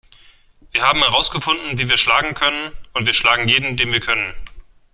Wir haben herausgefunden, wie wir schlagen können, und wir schlagen jeden, den wir können.